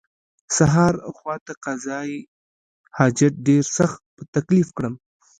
سهار خواته قضای حاجت ډېر سخت په تکلیف کړم.